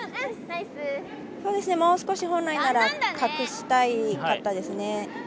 もう少し、本来なら隠したかったですね。